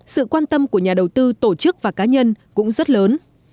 sự quan tâm của nhà đầu tư tổ chức và cá nhân cũng rất lớn